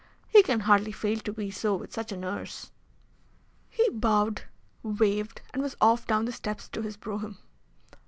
He can hardly fail to be so with such a nurse." He bowed, waved, and was off down the steps to his brougham.